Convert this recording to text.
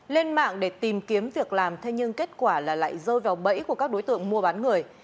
lên mạng để tìm kiếm việc làm thế nhưng kết quả là lại rơi vào bẫy của các đối tượng mua bán người